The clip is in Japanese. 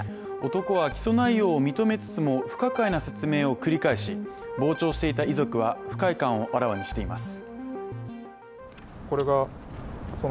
男は起訴内容を認めつつも不可解な説明を繰り返し傍聴していた遺族は不快感をあらわにしています。